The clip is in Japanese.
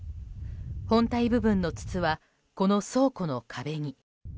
本体部分の筒はこの倉庫の壁に。